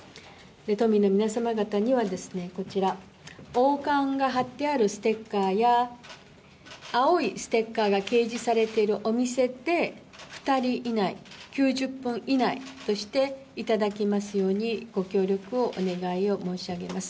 都民の皆様方にはこちら、王冠が貼ってあるステッカーや、青いステッカーが掲示されてるお店で、２人以内、９０分以内としていただきますように、ご協力をお願いを申し上げます。